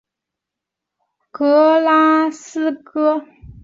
同样从格拉斯哥出身的特拉维斯是后英式摇滚第一批受到关注的乐团之一。